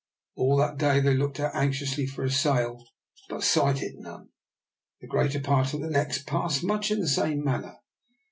All that day they looked out anxiously for a sail, but sighted none. The greater part of the next passed much in the same manner.